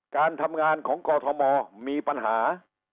การทำงานของกอทมมีปัญหา